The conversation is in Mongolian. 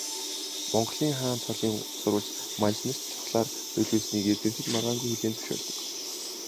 Монголын хаан цолын сурвалж манж нарт чухлаар нөлөөлснийг эрдэмтэд маргаангүй хүлээн зөвшөөрдөг.